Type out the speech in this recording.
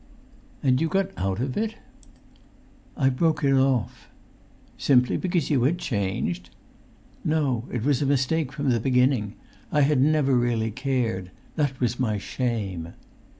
"And you got out of it?" "I broke it off." "Simply because you had changed?" "No—it was a mistake from the beginning. I had never really cared. That was my shame."